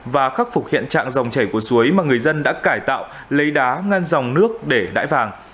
và khắc phục hiện trạng dòng chảy của suối mà người dân đã cải tạo lấy đá ngăn dòng nước để đải vàng